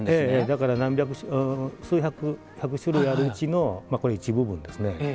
だから数百１００種類あるうちのこれ一部分ですね。